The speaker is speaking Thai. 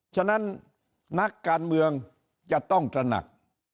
ฉะนั้นนักการเมืองจะต้องตระหนัก